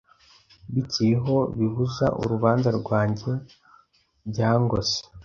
Bikiriho bibuza urubanza rwanjye byangose